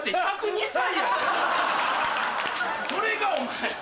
それがお前。